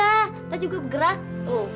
mak mak kok nggak bergerak sih mak mati ya